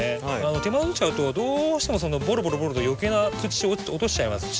手間取っちゃうとどうしてもボロボロボロボロと余計な土落としちゃいますし。